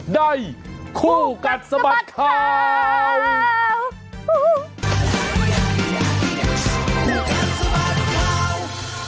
ได้คู่กันสบัดข่าว